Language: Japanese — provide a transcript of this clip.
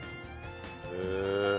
へえ。